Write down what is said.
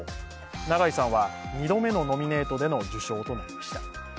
永井さんは２度目のノミネートでの受賞となりました。